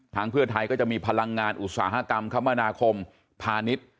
เพื่อไทยก็จะมีพลังงานอุตสาหกรรมคมนาคมพาณิชย์